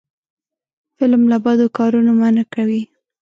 فلم له بدو کارونو منع کوي